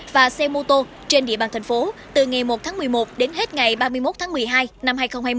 và xe mô tô trên địa bàn thành phố từ ngày một tháng một mươi một đến hết ngày ba mươi một tháng một mươi hai năm hai nghìn hai mươi